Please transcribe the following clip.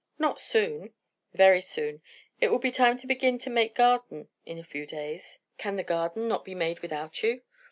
"Not soon?" "Very soon. It will be time to begin to make garden in a few days." "Can the garden not be made without you?"